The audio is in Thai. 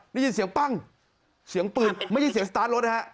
ได้ยินเสียงปั้งเสียงปืนไม่ใช่เสียงสตาร์ทรถนะฮะ